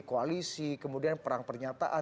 koalisi kemudian perang pernyataan